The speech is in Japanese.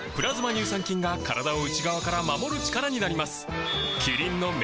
乳酸菌が体を内側から守る力になります